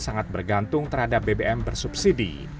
sangat bergantung terhadap bbm bersubsidi